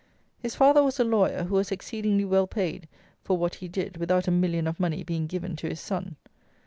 His father was a lawyer, who was exceedingly well paid for what he did without a million of money being given to his son.